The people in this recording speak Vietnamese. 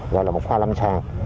gọi là một khoa lâm sàng